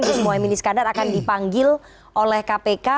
gus mohaimin iskandar akan dipanggil oleh kpk